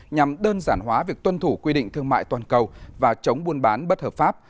nhằm đơn giản hóa việc tuân thủ quy định thương mại toàn cầu và chống buôn bán bất hợp pháp